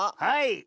はい。